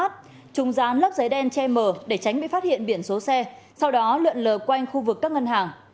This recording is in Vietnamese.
chúng dán lấp giấy đen che mờ để tránh bị phát hiện biển số xe sau đó lượn lờ quanh khu vực các ngân hàng